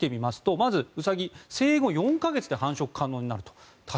まずウサギは生後４か月で繁殖可能になると。